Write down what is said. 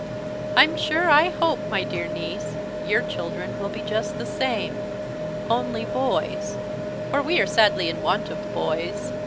I'm sure I hope, my dear niece, your children will be just the same only boys, for we are sadly in want of boys.